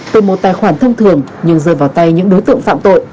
từ một tài khoản thông thường nhưng rơi vào tay những đối tượng phạm tội